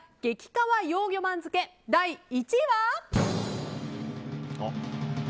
カワ幼魚番付第１位は。